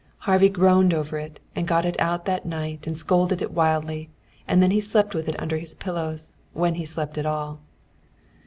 Harvey groaned over it, and got it out at night and scolded it wildly; and then slept with it under his pillows, when he slept at all.